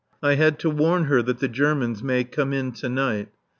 I had to warn her that the Germans may come in to night.